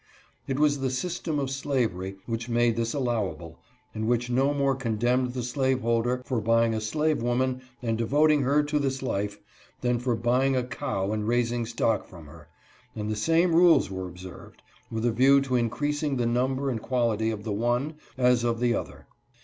It was the system of slavery which made this allowable, and which no more condemned the slaveholder for buying a slave woman and devoting her to this life, than for buying a cow and raising stock from her, and the same rules were observed, with a view to increasing the number and quality of the one, as of the other.